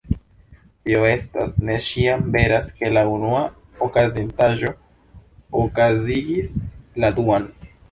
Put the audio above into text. Tio estas, ne ĉiam veras ke la unua okazintaĵo okazigis la duan.